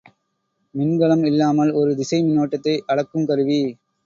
மின்கலம் இல்லாமல் ஒரு திசை மின்னோட்டத்தை அளக்குங் கருவி.